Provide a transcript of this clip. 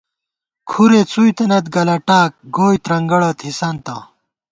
کُھرے څُوئی تنئیت گلہ ٹاک، گوئے ترنگڑہ تھِسنتہ